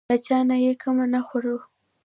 له چا نه یې کمه نه خورو.